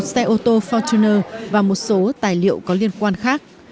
một xe ô tô fortuner và một số tài liệu có liên quan khác